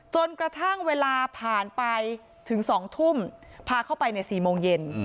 จนกระทั่งเวลาผ่านไปถึง๒ทุ่มพาเข้าไปใน๔โมงเย็น